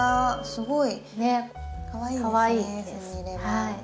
すごいかわいいですね